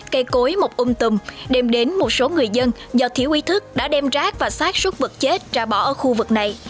cây cối mộc ôm tùm đem đến một số người dân do thiếu ý thức đã đem rác và sát xuất vật chết ra bỏ ở khu vực này